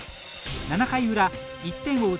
７回裏１点を追う